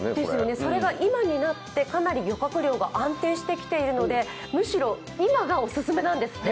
それが今になってかなり漁獲量が安定してきているのでむしろ今がオススメなんですって。